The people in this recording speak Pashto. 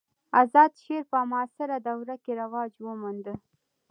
آزاد شعر په معاصره دوره کښي رواج وموند.